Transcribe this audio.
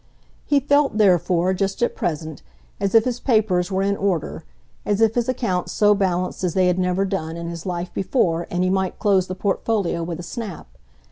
He felt therefore, just at present, as if his papers were in order, as if his accounts so balanced as they had never done in his life before and he might close the portfolio with a snap.